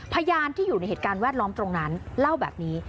พยานที่อยู่ในเหตุการณ์แวดล้อมตรงนั้นเล่าแบบนี้